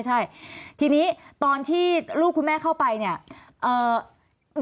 ใช่ทีนี้ตอนที่ลูกคุณแม่เข้าไปเนี่ยเอ่อ